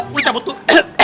boleh cabut tuh